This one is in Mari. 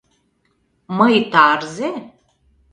Мый тарзе?